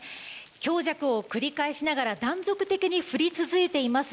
強弱を繰り返しながら断続的に降り続いています